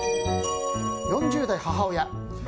４０代母親。